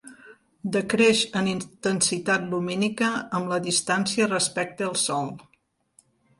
Decreix en intensitat lumínica amb la distància respecte al sol.